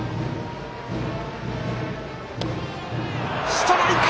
ストライク！